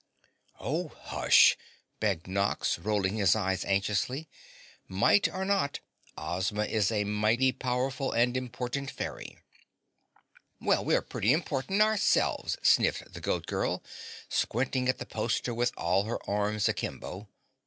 "Oh, hush!" begged Nox, rolling his eyes anxiously. "Mite or not, Ozma is a mighty powerful and important fairy." "Well, we're pretty important ourselves," sniffed the Goat Girl, squinting at the poster with all her arms akimbo.